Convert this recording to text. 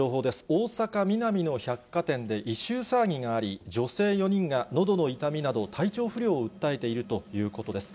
大阪・ミナミの百貨店で、異臭騒ぎがあり、女性４人がのどの痛みなど、体調不良を訴えているということです。